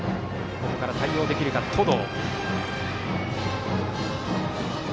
ここから対応できるか、登藤。